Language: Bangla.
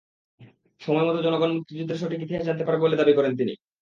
সময়মতো জনগণ মুক্তিযুদ্ধের সঠিক ইতিহাস জানতে পারবে বলে দাবি করেন তিনি।